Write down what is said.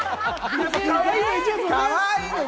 かわいいよ。